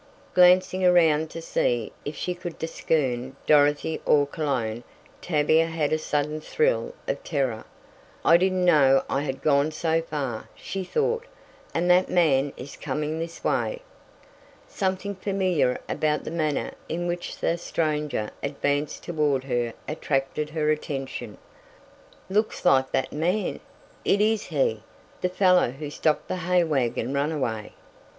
Glancing around to see if she could discern Dorothy or Cologne, Tavia had a sudden thrill of terror. "I didn't know I had gone so far," she thought, "and that man is coming this way." Something familiar about the manner in which the stranger advanced toward her attracted her attention. "Looks like that man! It is he! The fellow who stopped the hay wagon runaway!"